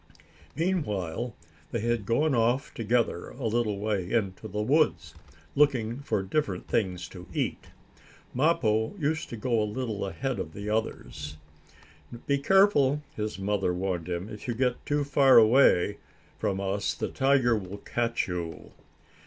Meanwhile they had gone off together, a little way into the woods, looking for different things to eat. Mappo used to go a little ahead of the others. "Be careful," his mother warned him. "If you get too far away from us, the tiger will catch you."